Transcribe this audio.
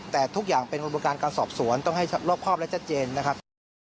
แต่ทุกอย่างเป็นงบการศอบสวนต้องให้ล่อพอบและแจ็ดเจนนะครับ